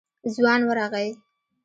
ځوان ورغی.